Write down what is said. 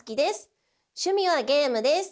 趣味はゲームです。